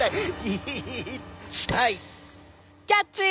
キャッチ！